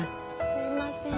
すいません。